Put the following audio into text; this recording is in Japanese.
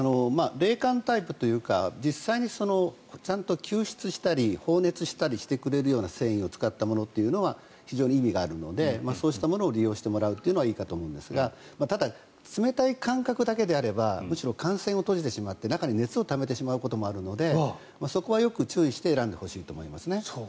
冷感タイプというか実際にちゃんと吸湿したり放熱したりしてくれるような繊維を使っているものについては非常に意味があるのでそうしたものを利用してもらうのはいいかと思いますがただ、冷たい感覚だけであればむしろ汗腺を閉じてしまって熱をためてしまうことがあるのでそこはよく注意して選んでほしいと思いますね。